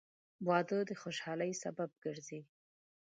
• واده د خوشحالۍ سبب ګرځي.